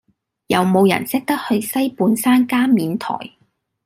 有無人識得去西半山加冕臺